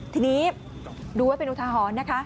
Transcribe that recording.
ทีนี้ดูไว้เป็นอุทาหรณ์นะคะ